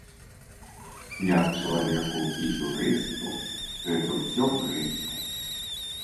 Як чалавеку і юрысту гэта ўсё брыдка.